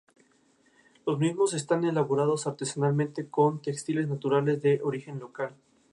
Los mismos están elaborados artesanalmente con textiles naturales de origen local.